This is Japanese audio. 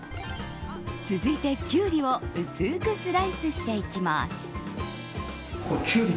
続いて、キュウリを薄くスライスしていきます。